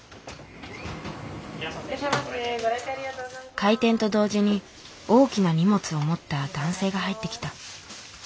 開店と同時に大きな荷物を持った男性が入ってきた。